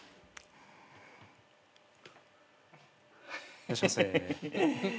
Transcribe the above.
いらっしゃいませ。